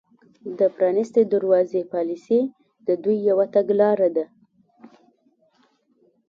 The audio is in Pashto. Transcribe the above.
د پرانیستې دروازې پالیسي د دوی یوه تګلاره ده